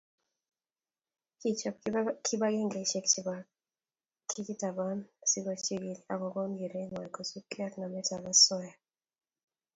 Kichop kibagengeisiek che kikitaban asi kochigil akokon kerengwai kosubkei ak nametab osoya